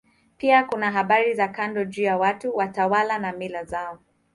Pia kuna habari za kando juu ya watu, watawala na mila zao.